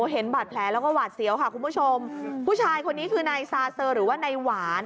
เห็นบาดแผลแล้วก็หวาดเสียวค่ะคุณผู้ชมผู้ชายคนนี้คือนายซาเซอร์หรือว่านายหวาน